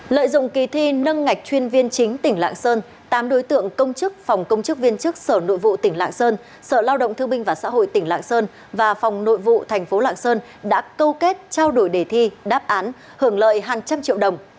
lợi dụng kỳ thi nâng ngạch chuyên viên chính tỉnh lạng sơn tám đối tượng công chức phòng công chức viên chức sở nội vụ tỉnh lạng sơn sở lao động thương binh và xã hội tỉnh lạng sơn và phòng nội vụ thành phố lạng sơn đã câu kết trao đổi đề thi đáp án hưởng lợi hàng trăm triệu đồng